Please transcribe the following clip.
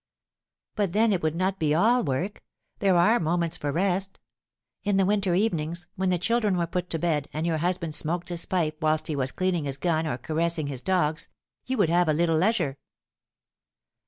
"But then it would not be all work; there are moments for rest. In the winter evenings, when the children were put to bed, and your husband smoked his pipe whilst he was cleaning his gun or caressing his dogs, you would have a little leisure."